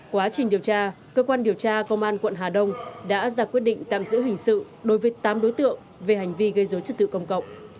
quá trình điều tra cơ quan điều tra công an quận hà đông đã ra quyết định tạm giữ hình sự đối với tám đối tượng về hành vi gây dối trật tự công cộng